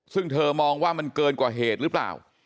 ซึ่งเธอมองว่ามันเกินกว่าเหตุหรือเปล่า